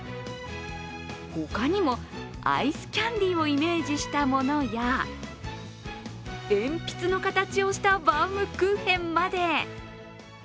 他にもアイスキャンディをイメージしたものや鉛筆の形をしたバウムクーヘンまで。